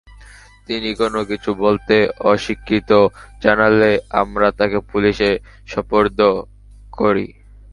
তিনি কোনো কিছু বলতে অস্বীকৃতি জানালে আমরা তাঁকে পুলিশে সোপর্দ করি।